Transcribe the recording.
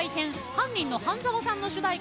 「犯人の犯沢さん」の主題歌